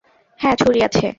হ্যাঁ, ছুড়ি আছে।